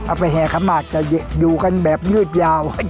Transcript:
เอาไปแห่คำนาจจะอยู่กันแบบยืดยาว